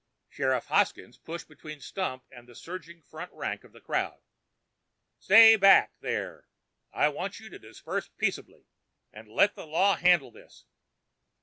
Sheriff Hoskins pushed between Stump and the surging front rank of the crowd. "Stay back there! I want you to disperse, peaceably, and let the law handle this."